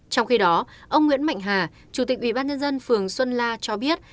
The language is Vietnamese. trong khi đó ông nguyễn mạnh hà chủ tịch ubnd phường xuân la cho biết